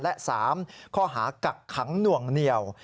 และ๓ข้อหากักขังหน่วงเหนียว